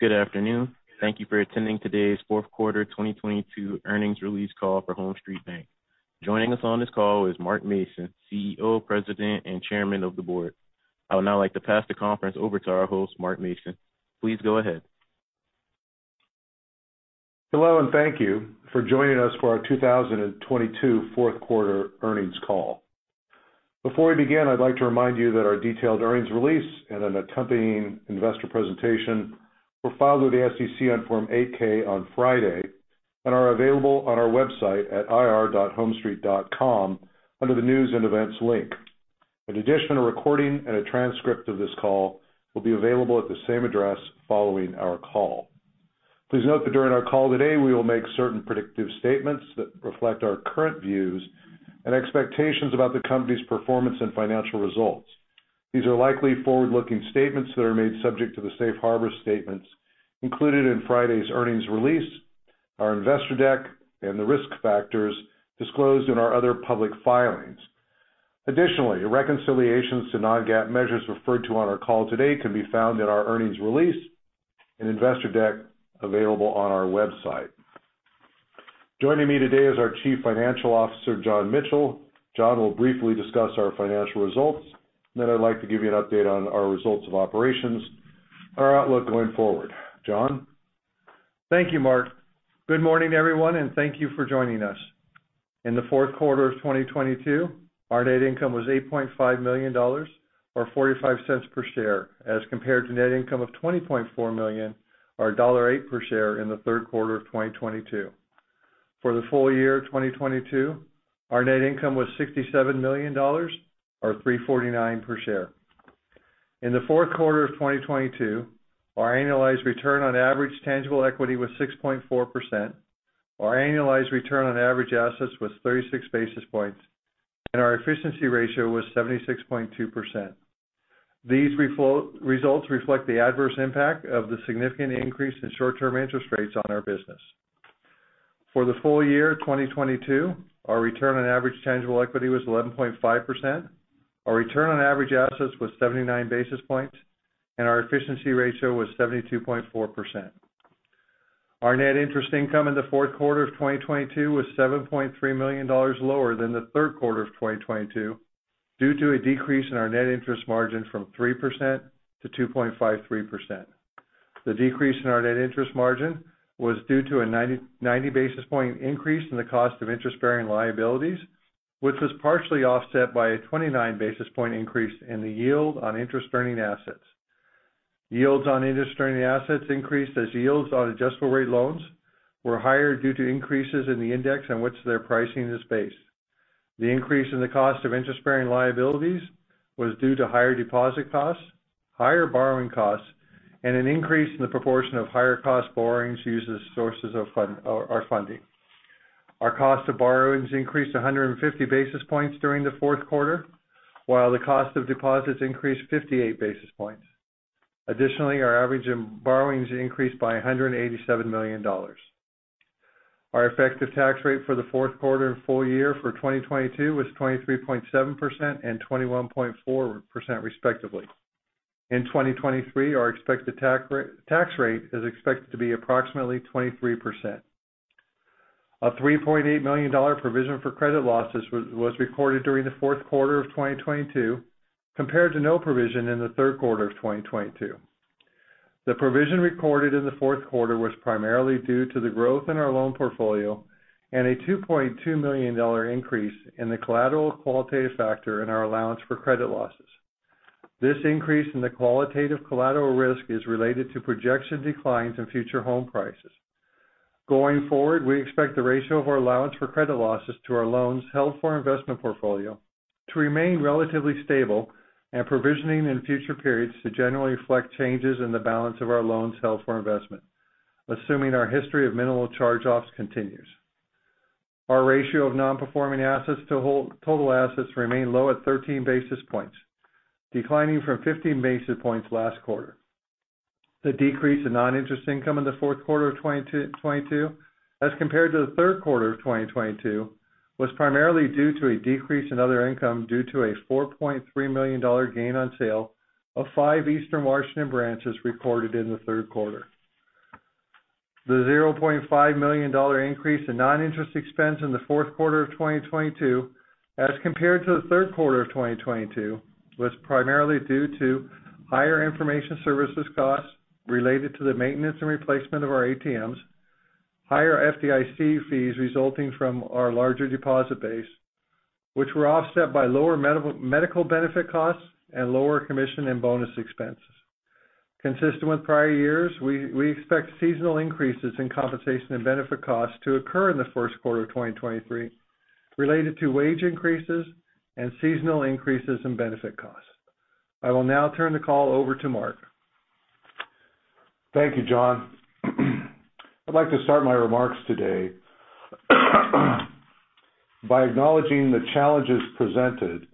Good afternoon. Thank you for attending today's Q4 2022 earnings release call for HomeStreet Bank. Joining us on this call is Mark Mason, CEO, President, and Chairman of the Board. I would now like to pass the conference over to our host, Mark Mason. Please go ahead. Hello, and thank you for joining us for our 2022 Q4 earnings call. Before we begin, I'd like to remind you that our detailed earnings release and an accompanying investor presentation were filed with the SEC on Form 8-K on Friday and are available on our website at ir.homestreet.com under the News & Events link. A recording and a transcript of this call will be available at the same address following our call. Please note that during our call today, we will make certain predictive statements that reflect our current views and expectations about the company's performance and financial results. These are likely forward-looking statements that are made subject to the safe harbor statements included in Friday's earnings release, our investor deck, and the risk factors disclosed in our other public filings. Additionally, reconciliations to non-GAAP measures referred to on our call today can be found in our earnings release and investor deck available on our website. Joining me today is our Chief Financial Officer, John Michel. John will briefly discuss our financial results. I'd like to give you an update on our results of operations and our outlook going forward. John? Thank you, Mark. Good morning, everyone. Thank you for joining us. In the Q4 of 2022, our net income was $8.5 million or $0.45 per share as compared to net income of $20.4 million or $1.08 per share in the Q3 of 2022. For the full year of 2022, our net income was $67 million or $3.49 per share. In the Q4 of 2022, our annualized return on average tangible equity was 6.4%, our annualized return on average assets was 36 basis points, and our efficiency ratio was 76.2%. These results reflect the adverse impact of the significant increase in short-term interest rates on our business. For the full year of 2022, our return on average tangible equity was 11.5%, our return on average assets was 79 basis points, and our efficiency ratio was 72.4%. Our net interest income in the Q4 of 2022 was $7.3 million lower than the Q3 of 2022 due to a decrease in our net interest margin from 3% to 2.53%. The decrease in our net interest margin was due to a 90 basis point increase in the cost of interest-bearing liabilities, which was partially offset by a 29 basis point increase in the yield on interest-earning assets. Yields on interest-earning assets increased as yields on adjustable-rate loans were higher due to increases in the index on which their pricing is based. The increase in the cost of interest-bearing liabilities was due to higher deposit costs, higher borrowing costs, and an increase in the proportion of higher cost borrowings used as sources of or our funding. Our cost of borrowings increased 150 basis points during the Q4, while the cost of deposits increased 58 basis points. Our average of borrowings increased by $187 million. Our effective tax rate for the Q4 and full year for 2022 was 23.7% and 21.4%, respectively. In 2023, our expected tax rate is expected to be approximately 23%. A $3.8 million provision for credit losses was recorded during the Q4 of 2022 compared to no provision in the Q3 of 2022. The provision recorded in the Q4 was primarily due to the growth in our loan portfolio and a $2.2 million increase in the collateral qualitative factor in our allowance for credit losses. This increase in the qualitative collateral risk is related to projection declines in future home prices. Going forward, we expect the ratio of our allowance for credit losses to our loans held for our investment portfolio to remain relatively stable and provisioning in future periods to generally reflect changes in the balance of our loans held for investment, assuming our history of minimal charge-offs continues. Our ratio of non-performing assets to total assets remain low at 13 basis points, declining from 15 basis points last quarter. The decrease in non-interest income in the Q4 of 2022, as compared to the Q3 of 2022, was primarily due to a decrease in other income due to a $4.3 million gain on sale of five Eastern Washington branches recorded in the Q3. The $0.5 million increase in non-interest expense in the Q4 of 2022, as compared to the Q3 of 2022, was primarily due to higher information services costs related to the maintenance and replacement of our ATMs, higher FDIC fees resulting from our larger deposit base, which were offset by lower medical benefit costs and lower commission and bonus expenses. Consistent with prior years, we expect seasonal increases in compensation and benefit costs to occur in the Q1 of 2023 related to wage increases and seasonal increases in benefit costs. I will now turn the call over to Mark. Thank you, John. I'd like to start my remarks today by acknowledging the challenges presented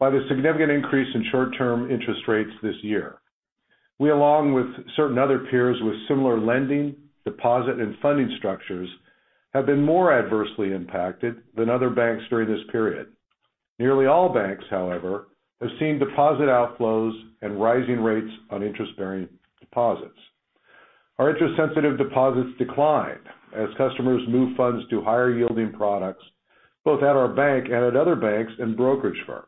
by the significant increase in short-term interest rates this year. We, along with certain other peers with similar lending, deposit, and funding structures, have been more adversely impacted than other banks during this period. Nearly all banks, however, have seen deposit outflows and rising rates on interest-bearing deposits. Our interest-sensitive deposits declined as customers moved funds to higher yielding products, both at our bank and at other banks and brokerage firms.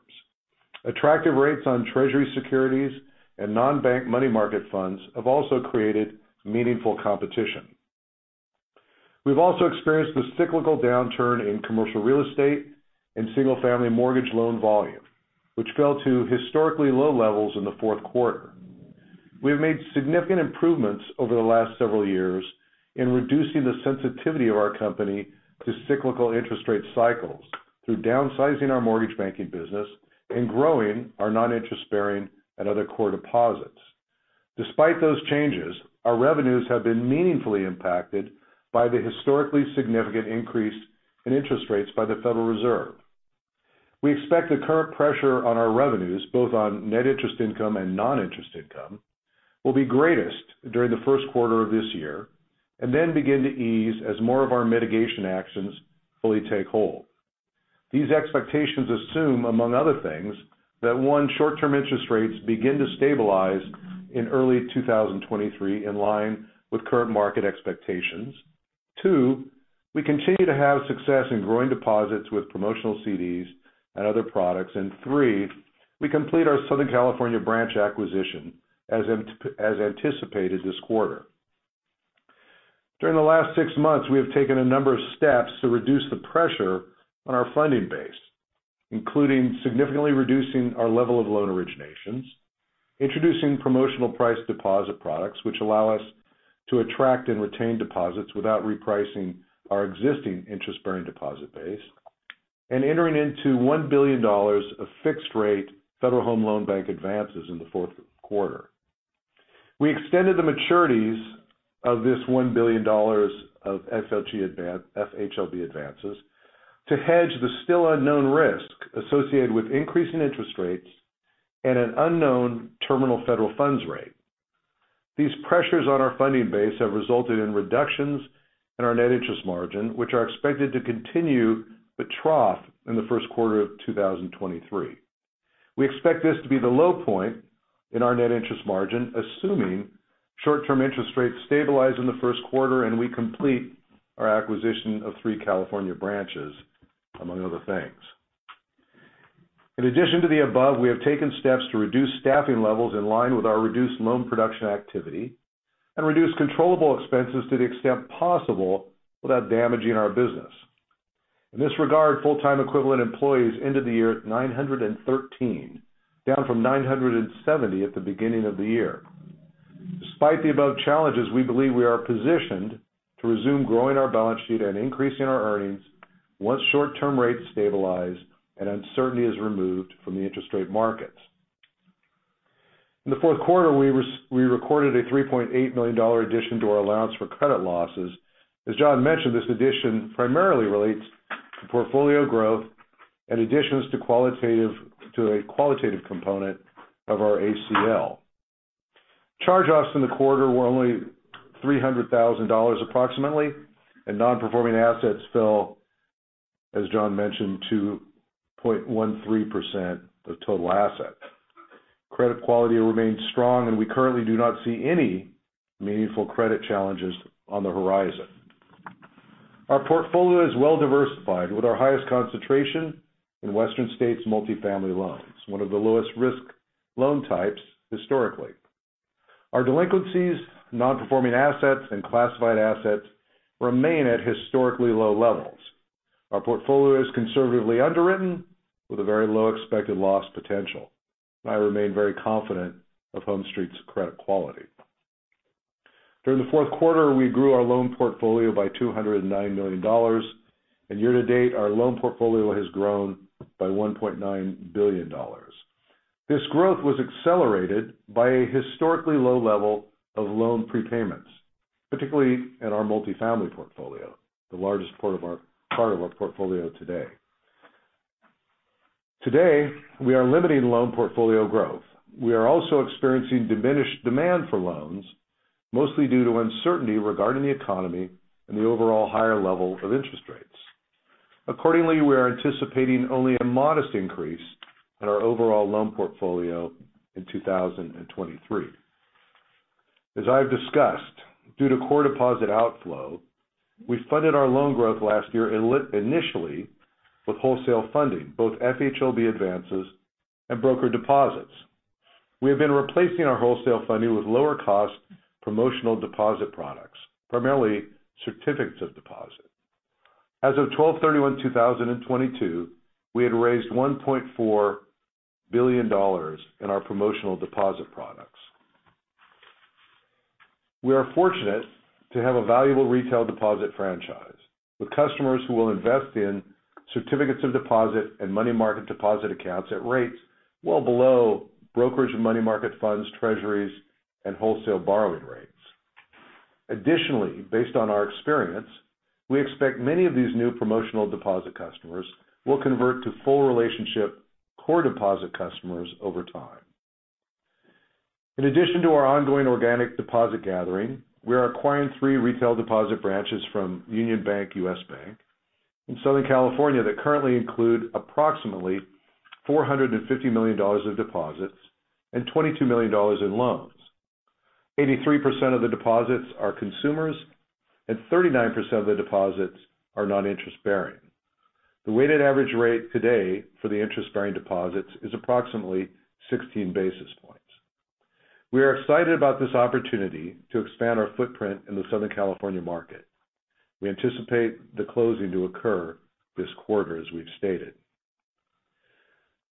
Attractive rates on treasury securities and non-bank money market funds have also created meaningful competition. We've also experienced the cyclical downturn in commercial real estate and single-family mortgage loan volume, which fell to historically low levels in the Q4. We have made significant improvements over the last several years in reducing the sensitivity of our company to cyclical interest rate cycles through downsizing our mortgage banking business and growing our non-interest bearing and other core deposits. Despite those changes, our revenues have been meaningfully impacted by the historically significant increase in interest rates by the Federal Reserve. We expect the current pressure on our revenues, both on net interest income and non-interest income, will be greatest during the Q1 of this year and then begin to ease as more of our mitigation actions fully take hold. These expectations assume, among other things, that, one short-term interest rates begin to stabilize in early 2023 in line with current market expectations. Two, we continue to have success in growing deposits with promotional CDs and other products. Three, we complete our Southern California branch acquisition as anticipated this quarter. During the last six months, we have taken a number of steps to reduce the pressure on our funding base, including significantly reducing our level of loan originations, introducing promotional price deposit products, which allow us to attract and retain deposits without repricing our existing interest-bearing deposit base, and entering into $1 billion of fixed rate Federal Home Loan Bank advances in the Q4. We extended the maturities of this $1 billion of FHLB advances to hedge the still unknown risk associated with increasing interest rates and an unknown terminal federal funds rate. These pressures on our funding base have resulted in reductions in our net interest margin, which are expected to continue to trough in the Q1 of 2023. We expect this to be the low point in our net interest margin, assuming short-term interest rates stabilize in the Q1 and we complete our acquisition of three California branches, among other things. In addition to the above, we have taken steps to reduce staffing levels in line with our reduced loan production activity and reduce controllable expenses to the extent possible without damaging our business. In this regard, full-time equivalent employees ended the year at 913, down from 970 at the beginning of the year. Despite the above challenges, we believe we are positioned to resume growing our balance sheet and increasing our earnings once short-term rates stabilize and uncertainty is removed from the interest rate markets. In the Q4, we recorded a $3.8 million addition to our allowance for credit losses. As John mentioned, this addition primarily relates to portfolio growth and additions to a qualitative component of our ACL. Charge-offs in the quarter were only $300,000 approximately, and non-performing assets fell, as John mentioned, to 0.13% of total assets. Credit quality remains strong and we currently do not see any meaningful credit challenges on the horizon. Our portfolio is well-diversified, with our highest concentration in Western States multifamily loans, one of the lowest risk loan types historically. Our delinquencies, non-performing assets, and classified assets remain at historically low levels. Our portfolio is conservatively underwritten with a very low expected loss potential. I remain very confident of HomeStreet's credit quality. During the Q4, we grew our loan portfolio by $209 million. Year to date, our loan portfolio has grown by $1.9 billion. This growth was accelerated by a historically low level of loan prepayments, particularly in our multifamily portfolio, the largest part of our portfolio today. Today, we are limiting loan portfolio growth. We are also experiencing diminished demand for loans, mostly due to uncertainty regarding the economy and the overall higher level of interest rates. Accordingly, we are anticipating only a modest increase in our overall loan portfolio in 2023. As I've discussed, due to core deposit outflow, we funded our loan growth last year initially with wholesale funding, both FHLB advances and broker deposits. We have been replacing our wholesale funding with lower cost promotional deposit products, primarily certificates of deposit. As of 12/31/2022, we had raised $1.4 billion in our promotional deposit products. We are fortunate to have a valuable retail deposit franchise with customers who will invest in certificates of deposit and money market deposit accounts at rates well below brokerage and money market funds, treasuries, and wholesale borrowing rates. Based on our experience, we expect many of these new promotional deposit customers will convert to full relationship core deposit customers over time. In addition to our ongoing organic deposit gathering, we are acquiring 3 retail deposit branches from Union Bank, U.S. Bank in Southern California that currently include approximately $450 million of deposits and $22 million in loans. 83% of the deposits are consumers, and 39% of the deposits are non-interest bearing. The weighted average rate today for the interest-bearing deposits is approximately 16 basis points. We are excited about this opportunity to expand our footprint in the Southern California market. We anticipate the closing to occur this quarter, as we've stated.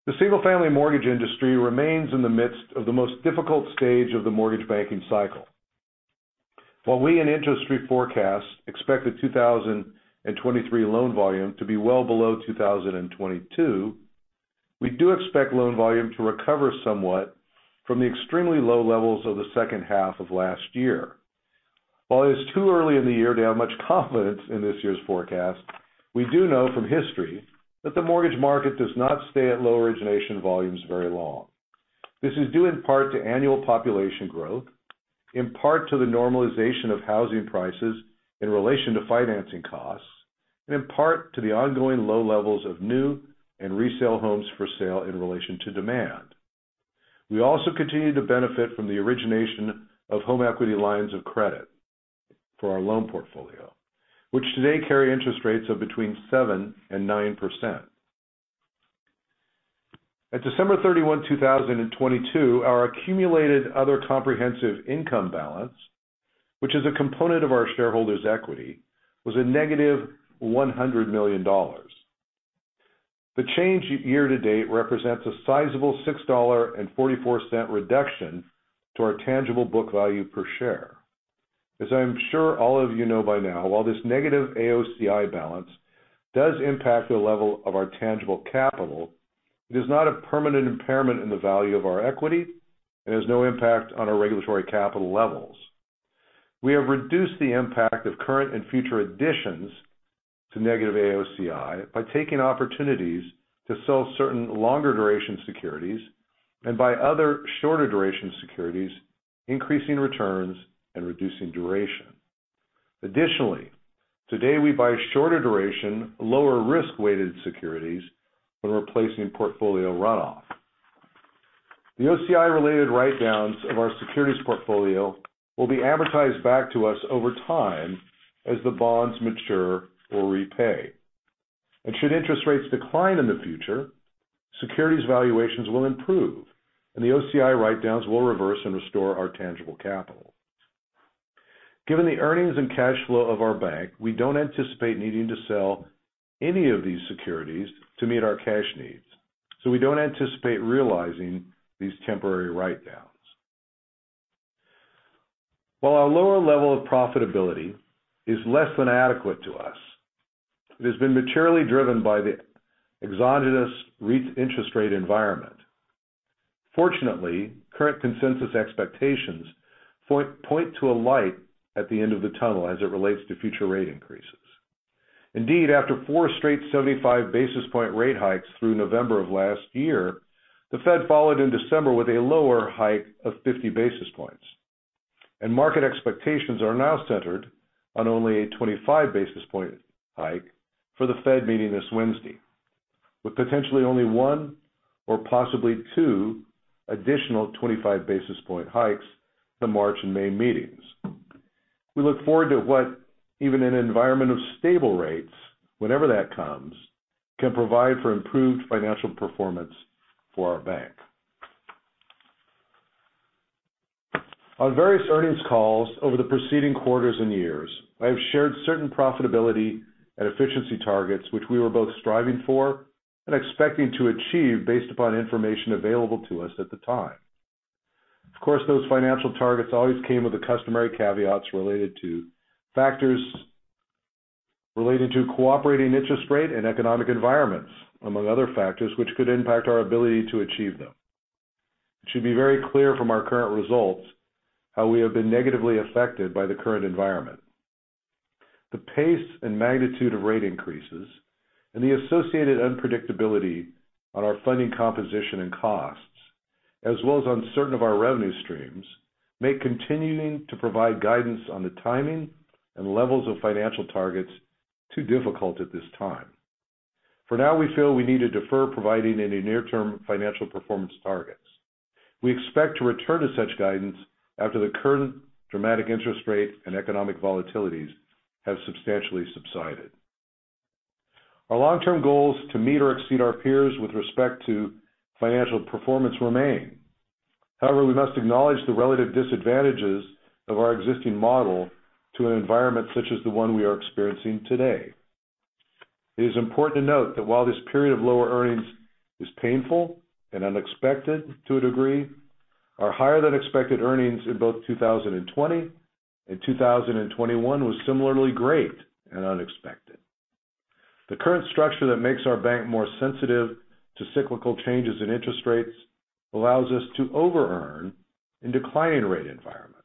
The single-family mortgage industry remains in the midst of the most difficult stage of the mortgage banking cycle. While we and industry forecasts expect the 2023 loan volume to be well below 2022, we do expect loan volume to recover somewhat from the extremely low levels of the second half of last year. While it's too early in the year to have much confidence in this year's forecast, we do know from history that the mortgage market does not stay at low origination volumes very long. This is due in part to annual population growth, in part to the normalization of housing prices in relation to financing costs, and in part to the ongoing low levels of new and resale homes for sale in relation to demand. We also continue to benefit from the origination of home equity lines of credit for our loan portfolio, which today carry interest rates of between 7% and 9%. At December 31, 2022, our accumulated other comprehensive income balance, which is a component of our shareholders' equity, was a negative $100 million. The change year to date represents a sizable $6.44 reduction to our tangible book value per share. As I'm sure all of you know by now, while this negative AOCI balance does impact the level of our tangible capital, it is not a permanent impairment in the value of our equity and has no impact on our regulatory capital levels. We have reduced the impact of current and future additions to negative AOCI by taking opportunities to sell certain longer duration securities and buy other shorter duration securities, increasing returns and reducing duration. Today, we buy shorter duration, lower risk-weighted securities when replacing portfolio runoff. The OCI-related write-downs of our securities portfolio will be advertised back to us over time as the bonds mature or repay. Should interest rates decline in the future, securities valuations will improve, and the OCI write-downs will reverse and restore our tangible capital. Given the earnings and cash flow of our bank, we don't anticipate needing to sell any of these securities to meet our cash needs, we don't anticipate realizing these temporary write-downs. While our lower level of profitability is less than adequate to us, it has been materially driven by the exogenous interest rate environment. Fortunately, current consensus expectations point to a light at the end of the tunnel as it relates to future rate increases. Indeed, after four straight 75 basis point rate hikes through November of last year, the Fed followed in December with a lower hike of 50 basis points. Market expectations are now centered on only a 25 basis point hike for the Fed meeting this Wednesday, with potentially only one or possibly two additional 25 basis point hikes the March and May meetings. We look forward to what even an environment of stable rates, whenever that comes, can provide for improved financial performance for our bank. On various earnings calls over the preceding quarters and years, I have shared certain profitability and efficiency targets which we were both striving for and expecting to achieve based upon information available to us at the time. Those financial targets always came with the customary caveats related to factors related to cooperating interest rate and economic environments, among other factors which could impact our ability to achieve them. It should be very clear from our current results how we have been negatively affected by the current environment. The pace and magnitude of rate increases and the associated unpredictability on our funding composition and costs, as well as uncertain of our revenue streams, make continuing to provide guidance on the timing and levels of financial targets too difficult at this time. For now, we feel we need to defer providing any near-term financial performance targets. We expect to return to such guidance after the current dramatic interest rate and economic volatilities have substantially subsided. Our long-term goals to meet or exceed our peers with respect to financial performance remain. However, we must acknowledge the relative disadvantages of our existing model to an environment such as the one we are experiencing today. It is important to note that while this period of lower earnings is painful and unexpected to a degree, our higher than expected earnings in both 2020 and 2021 was similarly great and unexpected. The current structure that makes our bank more sensitive to cyclical changes in interest rates allows us to over-earn in declining rate environments.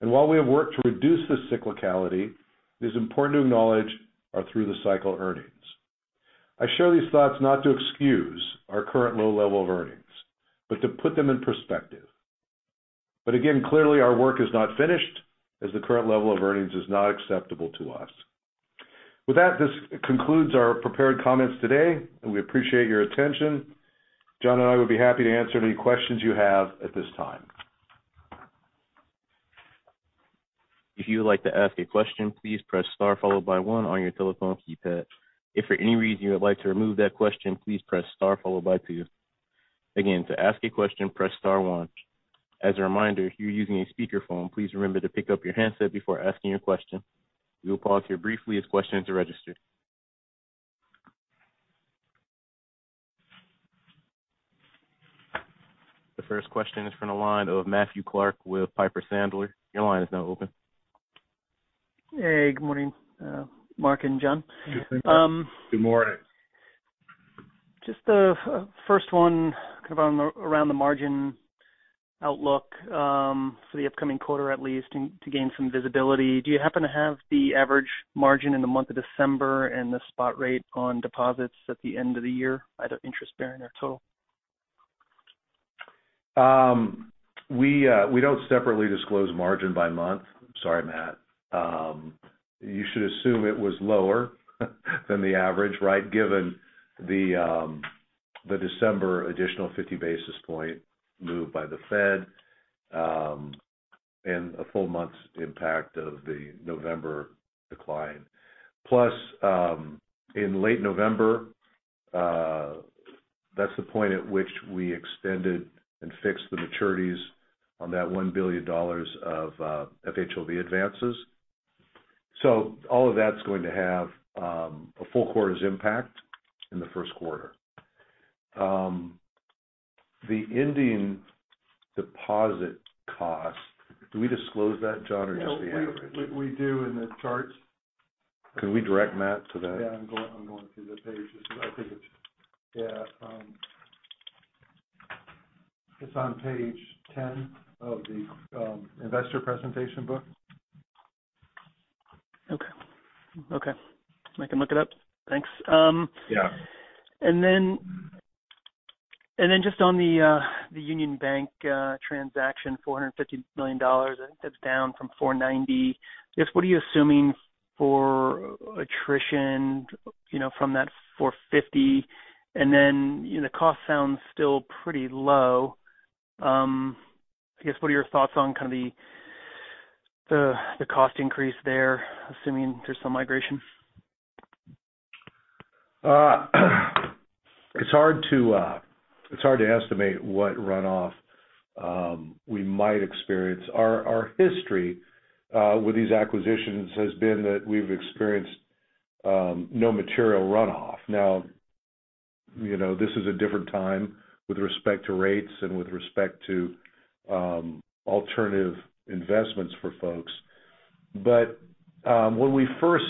While we have worked to reduce this cyclicality, it is important to acknowledge our through the cycle earnings. I show these thoughts not to excuse our current low level of earnings, but to put them in perspective. Again, clearly our work is not finished as the current level of earnings is not acceptable to us. With that, this concludes our prepared comments today, and we appreciate your attention. John and I would be happy to answer any questions you have at this time. If you would like to ask a question, please press star followed by one on your telephone keypad. If for any reason you would like to remove that question, please press star followed by two. Again, to ask a question, press star one. As a reminder, if you're using a speakerphone, please remember to pick up your handset before asking your question. We will pause here briefly as questions are registered. The first question is from the line of Matthew Clark with Piper Sandler. Your line is now open. Hey, good morning, Mark and John. Good morning. Just, first one kind of around the margin outlook, for the upcoming quarter at least and to gain some visibility. Do you happen to have the average margin in the month of December and the spot rate on deposits at the end of the year, either interest-bearing or total? We don't separately disclose margin by month. Sorry, Matt. You should assume it was lower than the average, right? Given the December additional 50 basis point move by the Fed, and a full month's impact of the November decline. Plus, in late November, that's the point at which we extended and fixed the maturities on that $1 billion of FHLB advances. All of that's going to have a full quarter's impact in the Q1. The ending deposit cost, do we disclose that, John, or just the average? Yes, we do in the charts. Can we direct Matt to that? Yeah, I'm going through the pages. I think yeah, it's on page 10 of the investor presentation book. Okay. I can look it up. Thanks. Yeah. Just on the Union Bank transaction, $450 million, I think that's down from $490 million. Just what are you assuming for attrition, you know, from that $450 million? You know, cost sounds still pretty low. I guess what are your thoughts on kind of the cost increase there, assuming there's some migration? It's hard to estimate what runoff we might experience. Our history with these acquisitions has been that we've experienced no material runoff. Now, you know, this is a different time with respect to rates and with respect to alternative investments for folks. When we first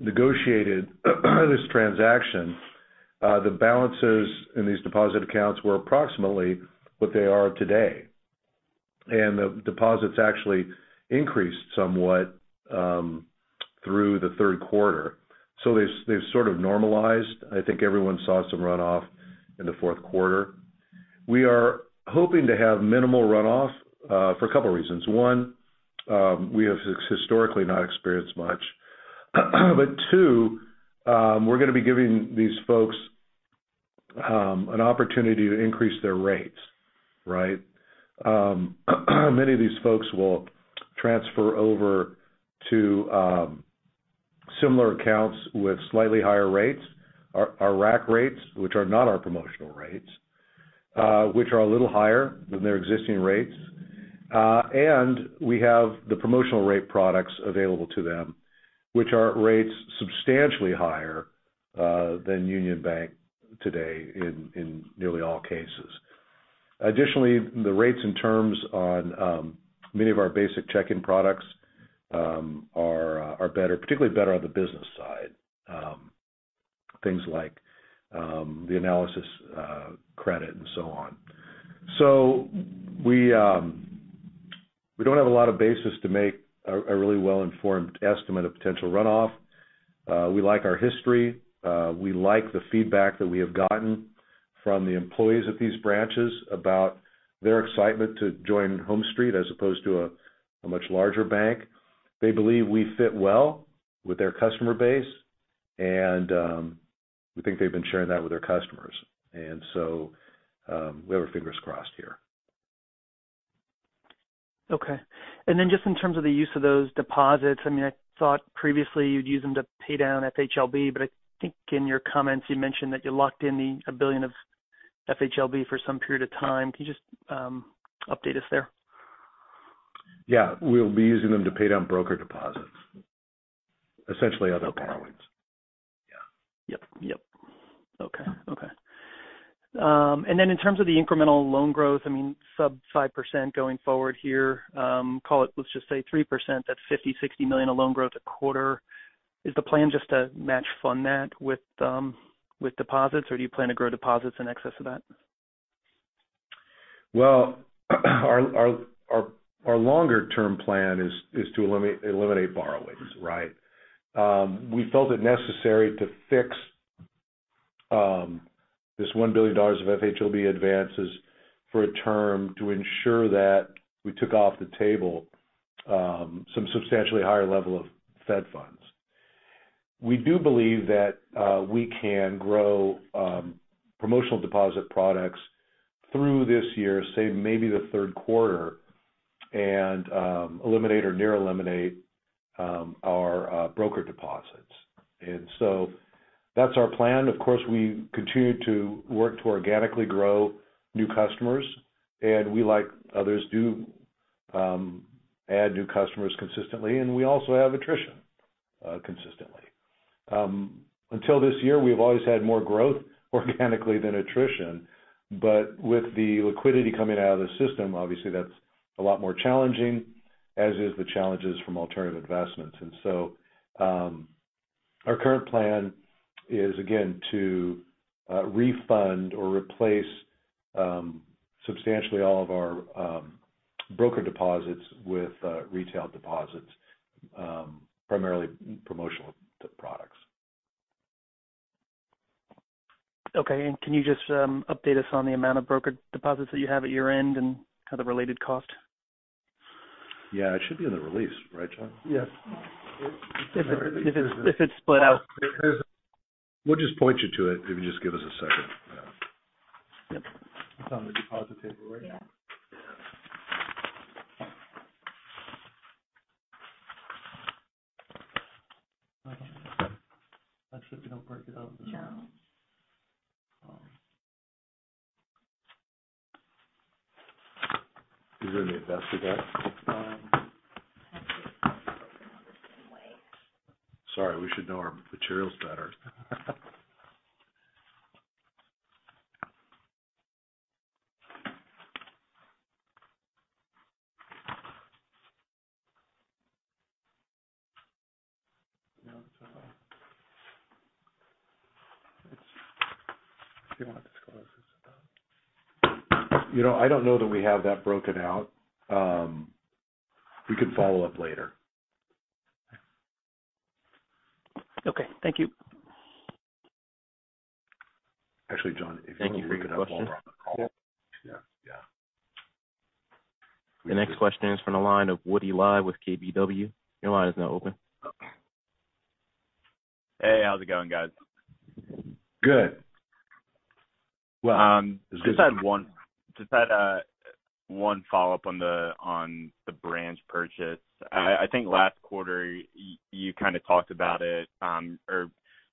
negotiated this transaction, the balances in these deposit accounts were approximately what they are today. The deposits actually increased somewhat through the Q3. They've sort of normalized. I think everyone saw some runoff in the Q4. We are hoping to have minimal runoff for a couple reasons. One, we have historically not experienced much. Two, we're gonna be giving these folks an opportunity to increase their rates, right? Many of these folks will transfer over to similar accounts with slightly higher rates. Our rack rates, which are not our promotional rates, which are a little higher than their existing rates. We have the promotional rate products available to them, which are at rates substantially higher than Union Bank today in nearly all cases. Additionally, the rates and terms on many of our basic checking products are better, particularly better on the business side. Things like the analysis credit and so on. We don't have a lot of basis to make a really well-informed estimate of potential runoff. We like our history. We like the feedback that we have gotten from the employees at these branches about their excitement to join HomeStreet as opposed to a much larger bank. They believe we fit well with their customer base, and we think they've been sharing that with their customers. We have our fingers crossed here. Okay. Just in terms of the use of those deposits, I mean, I thought previously you'd use them to pay down FHLB. I think in your comments you mentioned that you locked in $1 billion of FHLB for some period of time. Can you just update us there? We'll be using them to pay down broker deposits. Essentially other borrowings. Okay. Yeah. Yep. Yep. Okay. Okay. In terms of the incremental loan growth, I mean, sub 5% going forward here, call it, let's just say 3%, that's $50 million-$60 million of loan growth a quarter. Is the plan just to match fund that with deposits, or do you plan to grow deposits in excess of that? Well, our longer-term plan is to eliminate borrowings, right? We felt it necessary to fix this $1 billion of FHLB advances for a term to ensure that we took off the table some substantially higher level of Fed funds. We do believe that we can grow promotional deposit products through this year, say maybe the Q3 and eliminate or near eliminate our broker deposits. That's our plan. Of course, we continue to work to organically grow new customers, and we, like others do, add new customers consistently, and we also have attrition consistently. Until this year, we've always had more growth organically than attrition. With the liquidity coming out of the system, obviously that's a lot more challenging, as is the challenges from alternative investments. Our current plan is again to refund or replace substantially all of our broker deposits with retail deposits, primarily promotional products. Okay. Can you just update us on the amount of broker deposits that you have at year-end and kind of related cost? Yeah. It should be in the release, right, John? Yes. If it's split out. We'll just point you to it if you just give us a second. Yep. It's on the deposit table, right? Yeah. Actually, we don't break it out. No. Is it in the invested debt? I think it's broken down the same way. Sorry, we should know our materials better. No, it's. If you want to disclose this. You know, I don't know that we have that broken out. We can follow up later. Okay. Thank you. Actually, John, if you can read that while we're on the call. Yeah. Yeah. The next question is from the line of Woody Lay with KBW. Your line is now open. Hey, how's it going, guys? Good. Just had one follow-up on the branch purchase. I think last quarter you kind of talked about it or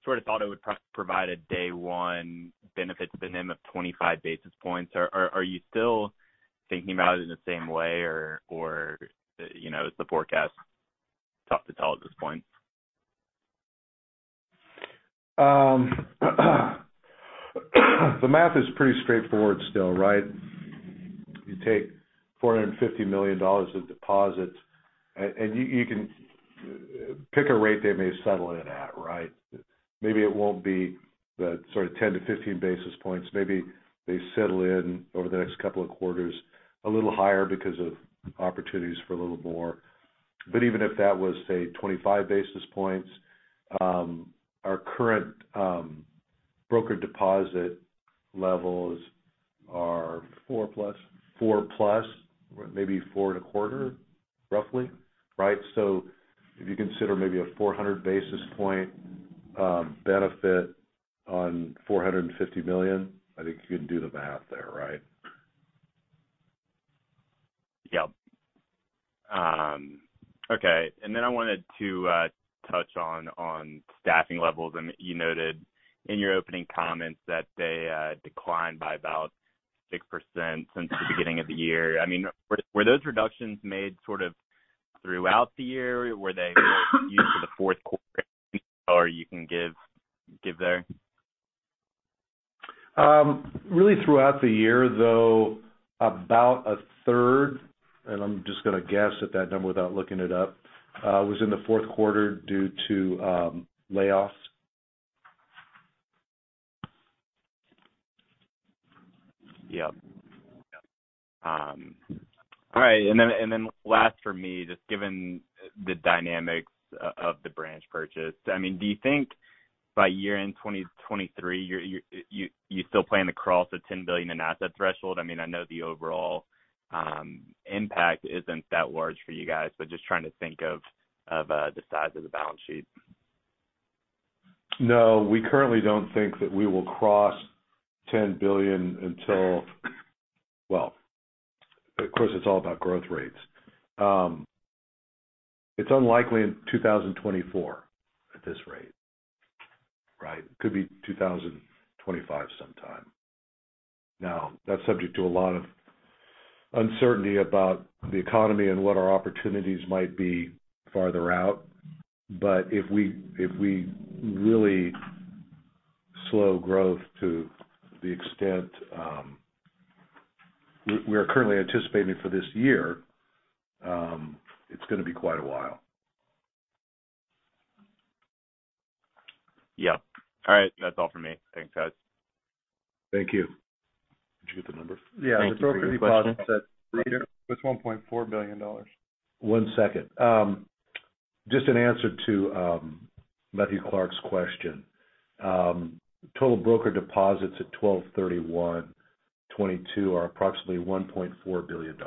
sort of thought it would provide a day one benefit to the name of 25 basis points. Are you still thinking about it in the same way or, you know, is the forecast tough to tell at this point? The math is pretty straightforward still, right? You take $450 million of deposits and you can pick a rate they may settle it at, right? Maybe it won't be the sort of 10-15 basis points. Maybe they settle in over the next couple of quarters a little higher because of opportunities for a little more. Even if that was, say, 25 basis points, our current broker deposit levels are? Four plus. Four plus, maybe 4.15 roughly, right? If you consider maybe a 400 basis point, benefit on $450 million, I think you can do the math there, right? Yep. Okay. I wanted to touch on staffing levels. I mean, you noted in your opening comments that they declined by about 6% since the beginning of the year. I mean, were those reductions made sort of throughout the year? Were they more unique to the Q4? You can give there. Really throughout the year, though about a third, and I'm just gonna guess at that number without looking it up, was in the Q4 due to layoffs. Yep. all right. Then last for me, just given the dynamics of the branch purchase. I mean, do you think by year-end 2023, you still plan to cross the $10 billion in asset threshold? I mean, I know the overall impact isn't that large for you guys, but just trying to think of the size of the balance sheet. No, we currently don't think that we will cross $10 billion until, well, of course, it's all about growth rates. It's unlikely in 2024 at this rate, right? Could be 2025 sometime. That's subject to a lot of uncertainty about the economy and what our opportunities might be farther out. If we really slow growth to the extent we are currently anticipating for this year, it's gonna be quite a while. Yeah. All right. That's all for me. Thanks, guys. Thank you. Did you get the number? Yeah. The broker deposit is at $1.4 billion. One second. Just an answer to Matthew Clark's question. Total broker deposits at 12/31/2022 are approximately $1.4 billion.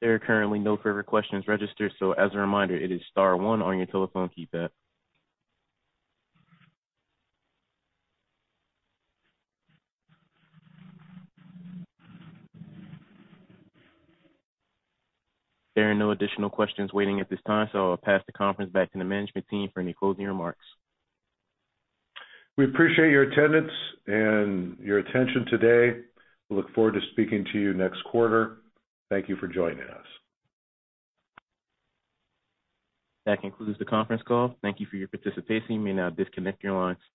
There are currently no further questions registered, so as a reminder, it is star one on your telephone keypad. There are no additional questions waiting at this time, so I'll pass the conference back to the management team for any closing remarks. We appreciate your attendance and your attention today. We look forward to speaking to you next quarter. Thank you for joining us. That concludes the conference call. Thank you for your participation. You may now disconnect your lines.